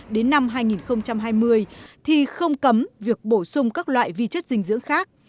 đến năm hai nghìn hai mươi thì không cấm việc bổ sung các loại vi chất dinh dưỡng khác